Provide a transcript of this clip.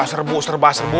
serbu serbu serbu